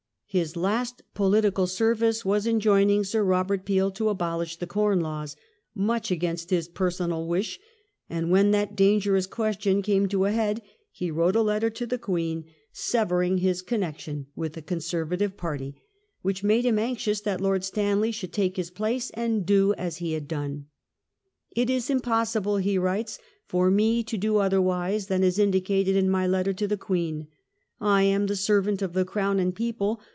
His last political service was in joining Sir Robert Peel to abolish the Com Laws — much against his personal wish; and when that dangerous question came to a head, he wrote a letter to the Queen, severing X QUITS POLITICAL LIFE 249 his connection with the Conservative party, which made him anxious that Lord Stanley should take his place and do as he had dona "It is impossible," he writes, "for me to do otherwise than is indicated in my letter to the Queen. I am the servant of the Crown and people.